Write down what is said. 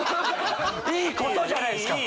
いい事じゃないですか！